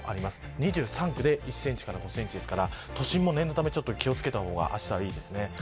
２３区で１センチから５センチですから都心も念のため気を付けたほうがあしたはいいです。